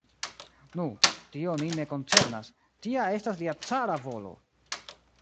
Nu, tio nin ne koncernas, tia estas lia cara volo!